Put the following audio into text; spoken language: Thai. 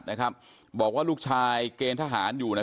แม่โชคดีนะไม่ถึงตายนะ